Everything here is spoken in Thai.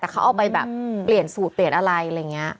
แต่เขาเอาไปแบบเปลี่ยนสูตรเปลี่ยนอะไรอะไรอย่างนี้